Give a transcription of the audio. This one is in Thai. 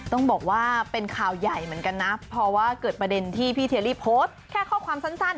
ต้องบอกว่าเป็นข่าวใหญ่เหมือนกันนะ